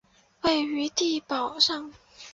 位于地垒上。